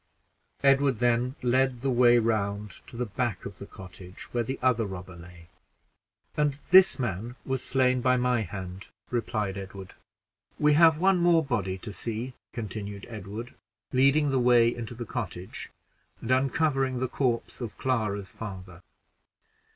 Edward then led the way round to the back of the cottage where the other robber lay "And this man was slain by my hand," replied Edward. "We have one more body to see," continued Edward, leading the way into the cottage, and uncovering the corpse of Clara's father.